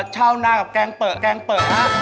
เช่าหน้ากับแกงเป๋อ